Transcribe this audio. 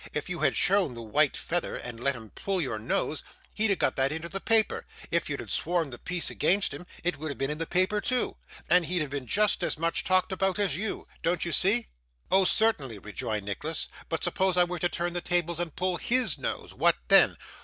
If you had shown the white feather, and let him pull your nose, he'd have got it into the paper; if you had sworn the peace against him, it would have been in the paper too, and he'd have been just as much talked about as you don't you see?' 'Oh, certainly,' rejoined Nicholas; 'but suppose I were to turn the tables, and pull HIS nose, what then?